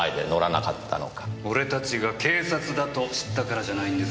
俺たちが警察だと知ったからじゃないんですか？